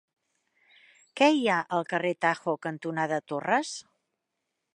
Què hi ha al carrer Tajo cantonada Torres?